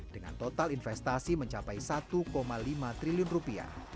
dengan total investasi mencapai satu lima triliun rupiah